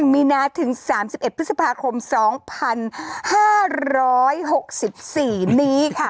มีนาถึง๓๑พฤษภาคม๒๕๖๔นี้ค่ะ